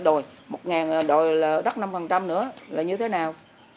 đòi là đất năm nữa là như thế nào